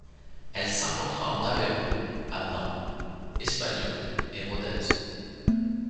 Elle s'implantera en Aveyron, à Nant, Espalion et Rodez.